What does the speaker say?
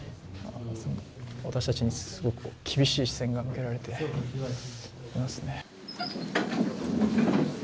私たちにすごく厳しい視線が向けられていますね。